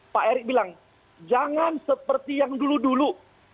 pak erick bilang jangan seperti yang dulu dulu